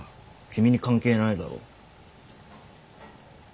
君に関係ないだろ。